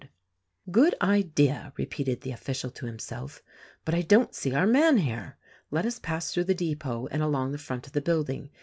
82 THE RECORDING ANGEL "Good idea!" repeated the official to himself, "but I don't see our man here. Let us pass through the depot and along the front of the building.